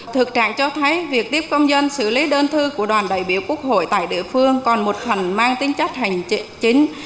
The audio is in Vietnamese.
thực trạng cho thấy việc tiếp công dân xử lý đơn thư của đoàn đại biểu quốc hội tại địa phương còn một phần mang tính chất hành chính